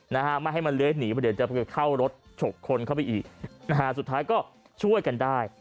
นะฮะไม่ให้มันเลื้อยหนีเพราะเดี๋ยวจะไปเข้ารถฉกคนเข้าไปอีกนะฮะสุดท้ายก็ช่วยกันได้